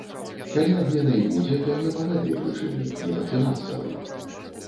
Калі адмена і будзе, то не па гэтай прычыне, не па фінансавай.